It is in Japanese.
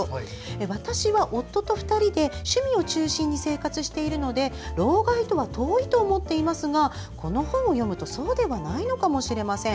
私は夫と２人で趣味を中心に生活しているので老害とは遠いと思っていますがこの本を読むとそうではないのかもしれません。